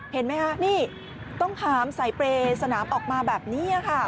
เห็นไหมต้องหามสายเปรย์สนามออกมาแบบนี้